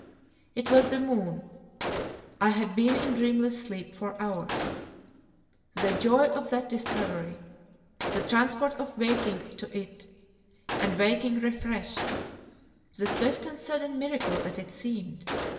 It was the moon. I had been in dreamless sleep for hours. The joy of that discovery! The transport of waking to it, and waking refreshed! The swift and sudden miracle that it seemed!